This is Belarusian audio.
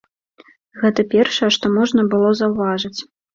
Гэта першае, што можна было заўважыць.